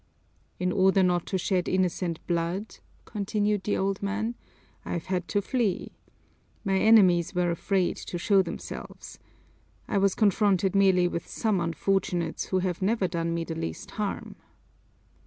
"In order not to shed innocent blood," continued the old man, "I have had to flee. My enemies were afraid to show themselves. I was confronted merely with some unfortunates who have never done me the least harm."